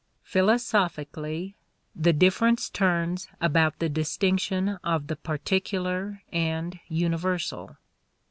Philosophically, the difference turns about the distinction of the particular and universal.